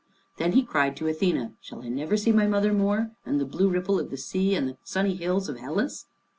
Then he cried to Athene, "Shall I never see my mother more, and the blue ripple of the sea and the sunny hills of Hellas?"